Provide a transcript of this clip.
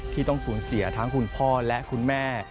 ที่ต้องสูญเสียทั้งคุณพ่อและคุณแม่